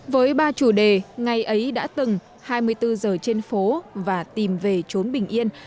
với ba chủ đề ngày ấy đã từng hai mươi bốn giờ trên phố và tìm về trốn bình yên